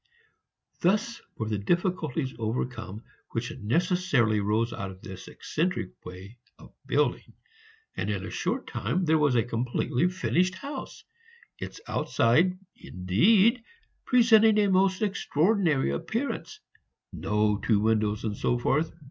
Thus were the difficulties overcome which necessarily arose out of this eccentric way of building, and in a short time there was a completely finished house, its outside, indeed, presenting a most extraordinary appearance, no two windows, etc.